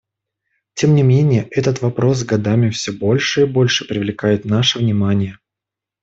Тем не менее, этот вопрос с годами все больше и больше привлекает наше внимание.